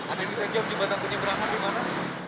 ada yang bisa jawab jembatan penyeberangan di mana